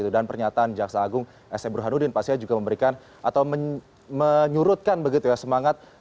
dan pernyataan jaksa agung s e burhanuddin pastinya juga memberikan atau menyurutkan semangat